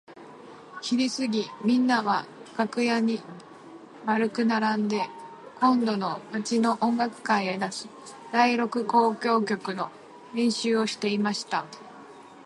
ひるすぎみんなは楽屋に円くならんで今度の町の音楽会へ出す第六交響曲の練習をしていました。